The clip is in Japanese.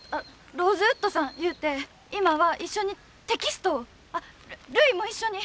ローズウッドさんいうて今は一緒にテキストをあっるいも一緒に！